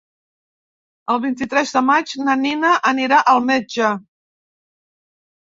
El vint-i-tres de maig na Nina anirà al metge.